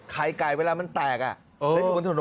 ไข่ไกลเวลามันแตกแหละ